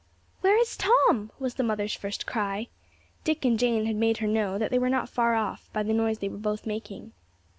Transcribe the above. "Where is Tom?" was the mother's first cry. Dick and Jane had made her know that they were not far off, by the noise they were both making.